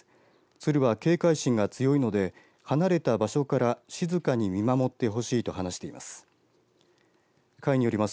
鶴は警戒心が強いので離れた場所から静かに見守ってほしいと話しています。